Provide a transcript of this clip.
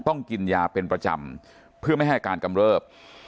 ต้องกินยาเป็นประจำเพื่อไม่ให้อาการกำเริบ